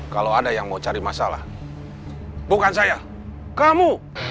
kalau ada yang mau cari masalah bukan saya kamu